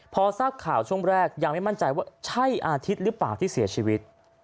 พอทราบข่าวช่วงแรกยังไม่มั่นใจว่าใช่อาทิตย์หรือเปล่าที่เสียชีวิต